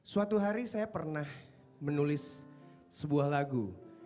suatu hari saya pernah menulis sebuah lagu